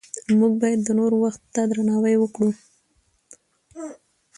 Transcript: موږ باید د نورو وخت ته درناوی وکړو